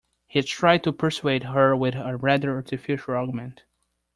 He tried to persuade her with a rather artificial argument